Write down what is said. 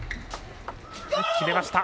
決めました。